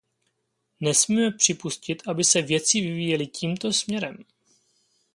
Nesmíme připustit, aby se věci vyvíjely tímto směrem.